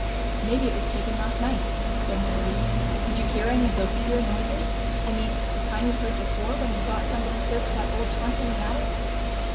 "Maybe it was taken last night," said Mary Louise. "Did you hear any of those queer noises I mean the kind you heard before, when you thought somebody searched that old trunk in the attic?"